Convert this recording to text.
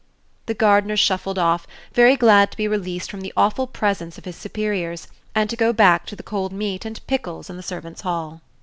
The gardener shuffled off, very glad to be released from the awful presence of his superiors, and to go back to the cold meat and pickles in the servants' hall.